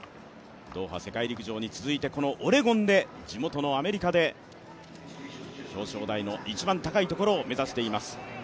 ドーハ世界陸上に続いて、このオレゴンで、地元のアメリカで表彰台の一番高いところを目指しています。